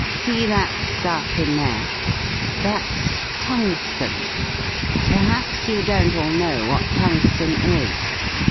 "See that stuff in there? That's tungsten. Perhaps you don't all know what tungsten is.